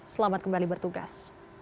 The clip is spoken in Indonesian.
selamat kembali bertugas